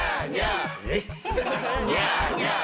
ニャーニャー。